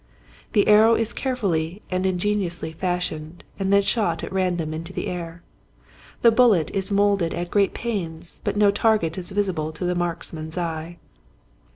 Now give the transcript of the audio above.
The arrow is care fully and ingeniously fashioned and then shot at random into the air. The bullet is molded at great pains but no target is visible to the marksman's eye.